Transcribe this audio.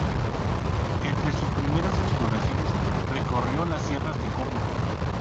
Entre sus primeras exploraciones recorrió las sierras de Córdoba.